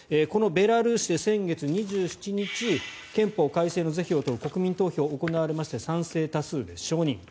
このベラルーシで先月２７日憲法改正の是非を問う国民投票が行われまして賛成多数で承認。